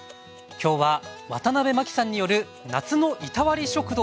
今日はワタナベマキさんによる「夏のいたわり食堂」